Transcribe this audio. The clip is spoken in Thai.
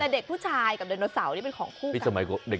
แต่เด็กผู้ชายกับนิโนสาวนี่เป็นของคู่กัน